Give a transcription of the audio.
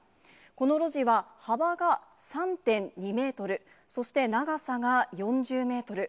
この路地は、幅が３．２メートル、そして長さが４０メートル。